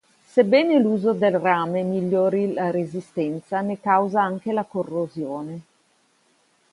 Sebbene l'uso del rame migliori la resistenza, ne causa anche la corrosione.